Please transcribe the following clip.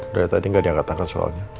dari tadi gak diangkat angkat soalnya